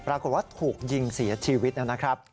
ปรากฏว่าถูกยิงเสียชีวิตนะครับ